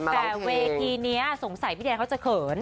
แต่เวทีนี้สงสัยพี่แดนเขาจะเขิน